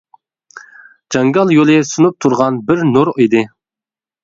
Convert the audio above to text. جاڭگال يولى سۇنۇپ تۇرغان بىر نۇر ئىدى.